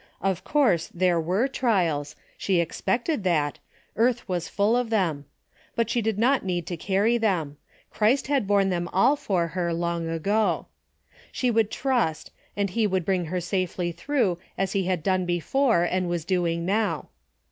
Of course there were trials, she expected that, earth was full of them ; but she did not need to carry them ; Christ had borne them all for her long ago. She would trust and he would bring her safely through as he had done be fore and was doing now.